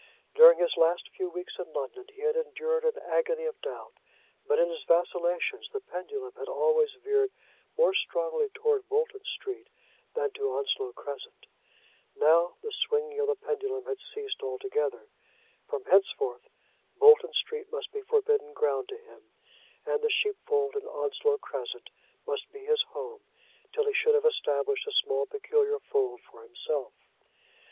During his last few weeks in London he had endured an agony of doubt; but in his vacillations the pendulum had always veered more strongly towards Bolton Street than to Onslow Crescent. Now the swinging of the pendulum had ceased altogether. From henceforth Bolton Street must be forbidden ground to him, and the sheepfold in Onslow Crescent must be his home till he should have established a small peculiar fold for himself.